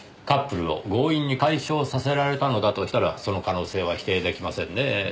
カップルを強引に解消させられたのだとしたらその可能性は否定出来ませんねぇ。